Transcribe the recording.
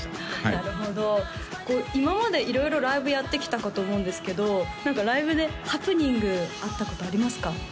なるほど今まで色々ライブやってきたかと思うんですけどライブでハプニングあったことありますか？